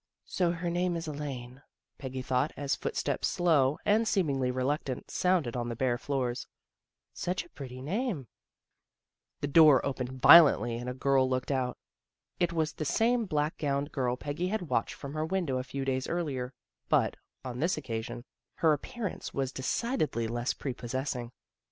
" So her name is Elaine," Peggy thought, as foot steps slow, and seemingly reluctant, sounded on the bare floors. " Such a pretty name." THE GIRL NEXT DOOR 23 The door opened violently and a girl looked out. It was the same black gowned girl Peggy had watched from her window a few days earlier, but, on this occasion, her appearance was de cidedly less prepossessing.